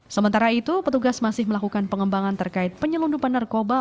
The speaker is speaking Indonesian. sementara itu petugas masih melakukan pengembangan terkait penyelundupan narkoba